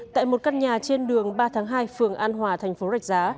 tại một căn nhà trên đường ba tháng hai phường an hòa thành phố rạch giá